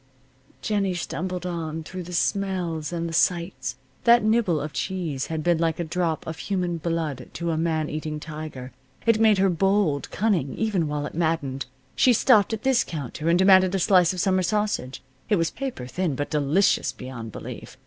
Jennie stumbled on, through the smells and the sights. That nibble of cheese had been like a drop of human blood to a man eating tiger. It made her bold, cunning, even while it maddened. She stopped at this counter and demanded a slice of summer sausage. It was paper thin, but delicious beyond belief.